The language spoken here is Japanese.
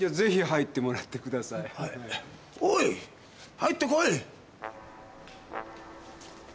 入ってこい。